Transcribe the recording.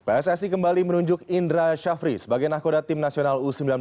pssi kembali menunjuk indra syafri sebagai nahkoda tim nasional u sembilan belas